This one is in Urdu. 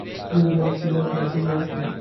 جب عدالت سزا سناتی ہے۔